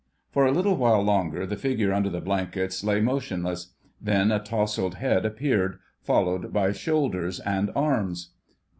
For a little while longer the figure under the blankets lay motionless; then a tousled head appeared, followed by shoulders and arms.